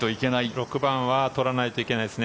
６番は取らないといけないですね。